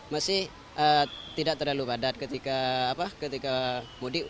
masih tidak terlalu padat ketika mudik